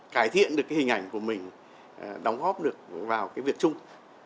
cải thiện được cái hình ảnh của mình đóng góp được vào cái việc chung